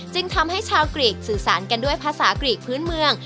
จึงทำให้ชาวกรีกสื่อสารกันด้วยภาษากรีกพื้นเมือง